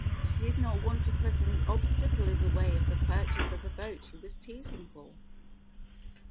She did not want to put any obstacle in the way of the purchase of the boat she was teasing for.